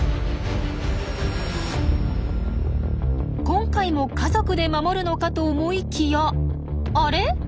今回も家族で守るのかと思いきやあれ？